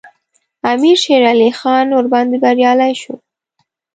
امیر شېرعلي خان ورباندې بریالی شو.